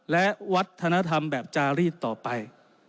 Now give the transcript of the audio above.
และวัฒนธรรมแบบจารีดต่อไป